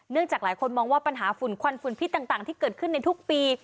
จากหลายคนมองว่าปัญหาฝุ่นควันฝุ่นพิษต่างที่เกิดขึ้นในทุกปี